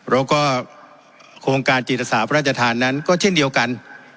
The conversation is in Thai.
แล้วก็โครงการจิตศาสพระราชทานนั้นก็เช่นเดียวกัน